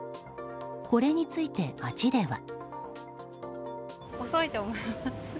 これについて、街では。